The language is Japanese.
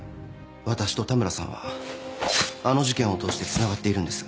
私と田村さんはあの事件を通してつながっているんです。